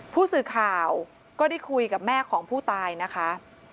ผู้สื่อข่าวก็ได้คุยกับแม่ของผู้ตายนะคะ